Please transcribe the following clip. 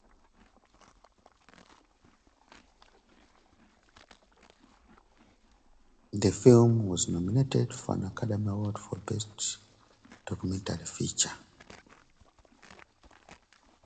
The film was nominated for an Academy Award for Best Documentary Feature.